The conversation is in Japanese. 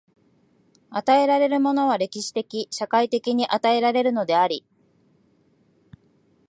与えられるものは歴史的・社会的に与えられるのであり、